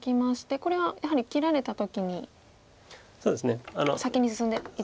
これはやはり切られた時に先に進んでいた方が。